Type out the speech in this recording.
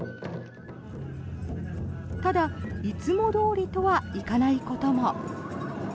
ただ、いつもどおりとは行かないことも。